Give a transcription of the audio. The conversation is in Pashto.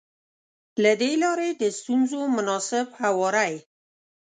له دې لارې د ستونزو مناسب هواری.